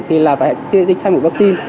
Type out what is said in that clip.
thì phải tiết thay một vaccine